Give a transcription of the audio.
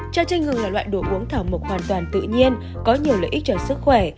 chà chanh gừng là loại đồ uống thảo mục hoàn toàn tự nhiên có nhiều lợi ích cho sức khỏe